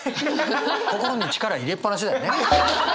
心に力入れっぱなしだよね。